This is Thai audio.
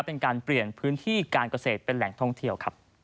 เป็นการเปลี่ยนพื้นที่การเกษตรเป็นแหล่งท่องเที่ยวครับ